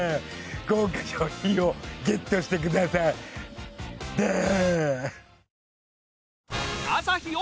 豪華賞品をゲットしてくださいダー！